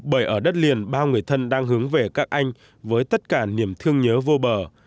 bởi ở đất liền bao người thân đang hướng về các anh với tất cả niềm thương nhớ vô bờ